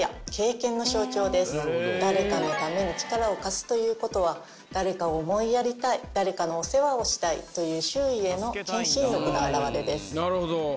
誰かのために力を貸すということは誰かを思いやりたい誰かのお世話をしたいという。